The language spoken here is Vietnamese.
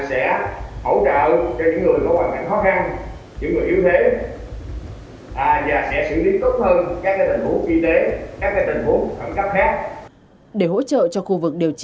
thành phố đảm bảo nhu yếu phẩm sẽ hỗ trợ cho những người có hoàn cảnh khó khăn những người yếu thế